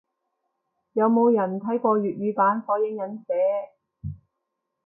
有冇人睇過粵語版火影忍者？